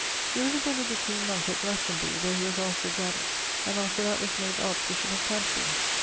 He was a Benedictine monke at Glastonbury, where he was afterwards abbot, and after that was made archbishop of Canterbury.